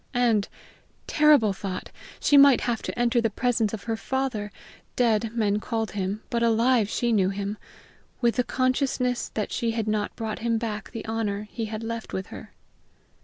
And, terrible thought! she might have to enter the presence of her father dead, men called him, but alive she knew him with the consciousness that she had not brought him back the honor he had left with her.